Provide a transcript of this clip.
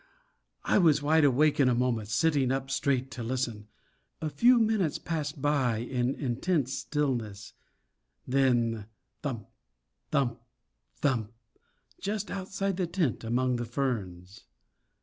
I was wide awake in a moment, sitting up straight to listen. A few minutes passed by in intense stillness; then, thump! thump! thump! just outside the tent among the ferns.